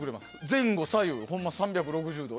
前後左右、ほんま３６０度。